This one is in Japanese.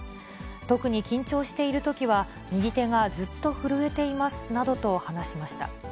特に緊張しているときは、右手がずっと震えていますなどと話しました。